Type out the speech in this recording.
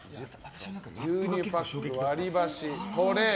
牛乳パック、割り箸、トレー。